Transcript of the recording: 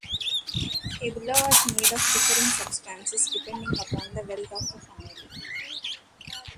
A bulla was made of differing substances depending upon the wealth of the family.